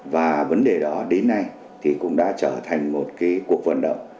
và vấn đề đó đến nay thì cũng đã trở thành một cuộc vận động